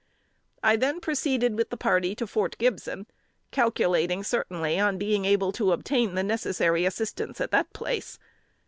I then proceeded with the party to Fort Gibson, calculating certainly on being able to obtain the necessary assistance at that place.